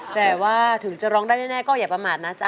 แต่ว่าถึงจะร้องได้แน่ก็อย่าประมาทนะจ๊